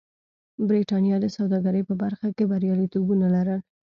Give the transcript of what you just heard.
برېټانیا د سوداګرۍ په برخه کې بریالیتوبونه لرل.